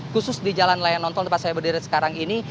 khusus di jalan layang nonton tempat saya berdiri sekarang ini